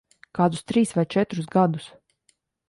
Kādus trīs vai četrus gadus.